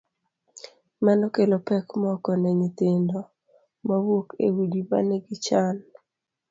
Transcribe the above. Mano kelo pek moko ne nyithindo mawuok e udi ma nigi chan: